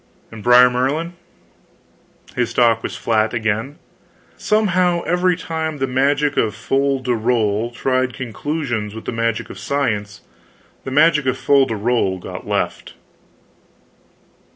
And Brer Merlin? His stock was flat again. Somehow, every time the magic of fol de rol tried conclusions with the magic of science, the magic of fol de rol got left.